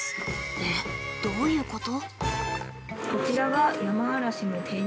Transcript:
えっどういうこと？